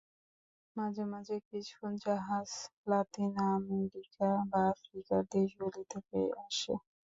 মাঝে মাঝে কিছু জাহাজ লাতিন আমেরিকা বা আফ্রিকার দেশগুলি থেকে আসে।